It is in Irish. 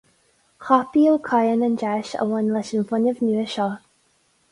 Thapaigh Ó Cadhain an deis a bhain leis an bhfuinneamh nua seo.